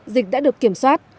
dịch đã được kiểm soát